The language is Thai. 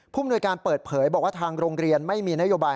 พนปเผยบอกว่าทางโรงเรียนไม่มีนโยบาย